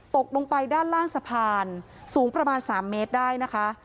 ตกลงไปด้านล่างสะพานสูงประมาณ๓เมตรได้นะคะ